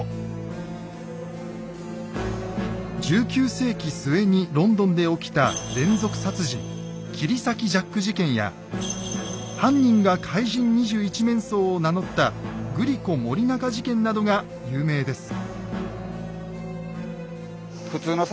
１９世紀末にロンドンで起きた連続殺人切り裂きジャック事件や犯人が「かい人２１面相」を名乗ったグリコ・森永事件などが有名です。